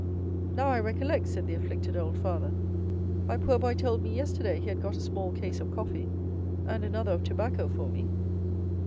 "Now I recollect," said the afflicted old father; "my poor boy told me yesterday he had got a small case of coffee, and another of tobacco for me!"